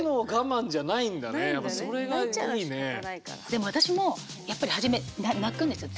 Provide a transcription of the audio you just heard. でも私もやっぱり初め泣くんですよ。